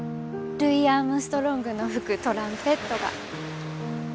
ルイ・アームストロングの吹くトランペットが。